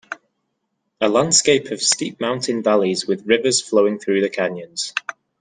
A Landscape of steep mountain valleys with rivers flowing through the canyons.